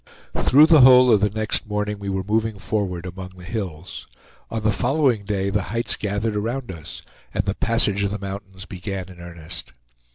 Through the whole of the next morning we were moving forward, among the hills. On the following day the heights gathered around us, and the passage of the mountains began in earnest.